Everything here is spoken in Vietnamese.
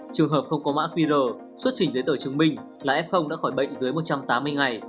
trường hợp không có mã qr xuất trình giấy tờ chứng minh là f đã khỏi bệnh dưới một trăm tám mươi ngày